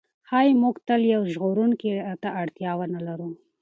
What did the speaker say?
ښایي موږ تل یو ژغورونکي ته اړتیا ونه لرو.